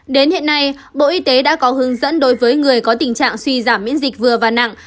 đến hiện nay bộ y tế đã có hướng dẫn đối với người có tình trạng suy giảm miễn dịch vừa và nặng